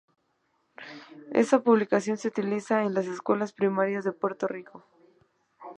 Esa publicación se utiliza en las escuelas primarias de Puerto Rico.